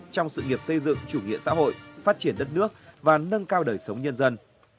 trong sự nghiệp xây dựng chủ nghĩa xã hội phát triển đất nước và nâng cao đời sống nhân dân